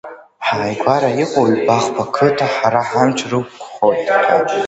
Ҳааигәара иҟоу ҩба-хԥа қыҭа ҳара ҳамч рықәхоит ҳәа.